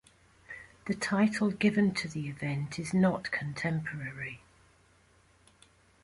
The title given to the event is not contemporary.